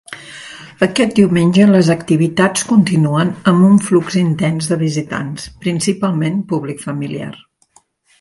Aquest diumenge les activitats continuen amb un flux intens de visitants, principalment públic familiar.